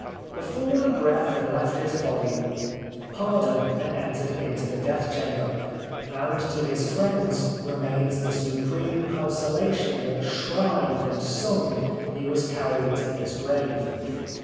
Before the breath had left his body 148 The Life of Oscar Wilde pardon had entered into the death chamber ; and to his friends remains the supreme consolation that shrived and sung he was carried to his grave.